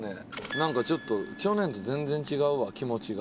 なんかちょっと去年と全然違うわ気持ちが。